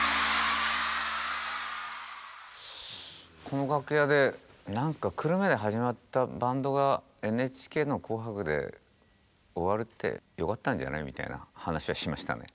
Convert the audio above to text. この楽屋で何か久留米で始まったバンドがＮＨＫの「紅白」で終わるってよかったんじゃないみたいな話はしましたね。